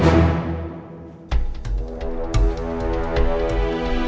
jangan sampai aku kemana mana